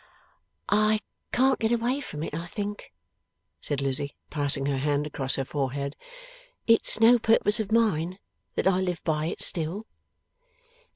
'I can't get away from it, I think,' said Lizzie, passing her hand across her forehead. 'It's no purpose of mine that I live by it still.